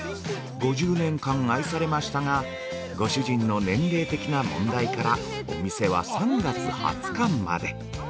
５０年間愛されましたがご主人の年齢的な問題からお店は３月２０日まで。